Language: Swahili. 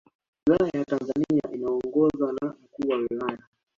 Wilaya ya Tanga inaongozwa na Mkuu wa Wilaya